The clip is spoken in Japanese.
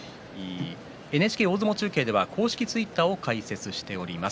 ＮＨＫ大相撲中継では公式ツイッターを開設しています。